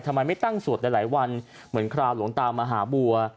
ทำไมไม่ตั้งสวดหลายวันเหมือนคราวหลวงตามหาบัว